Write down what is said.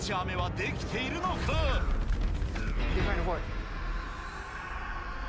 でかいの、来い。